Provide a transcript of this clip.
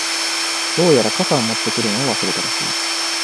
•どうやら、傘を持ってくるのを忘れたらしい。